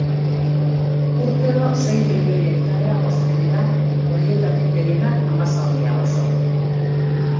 Urtero sei milioi hektarea mozten dira, horietatik gehienak Amazonia basoan.